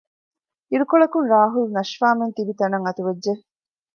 އިރުކޮޅަކުން ރާހުލް ނަޝްފާމެން ތިބި ތަނަށް އަތުވެއްޖެ